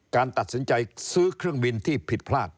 การตัดสินใจซื้อเครื่องบินที่ผิดพลาด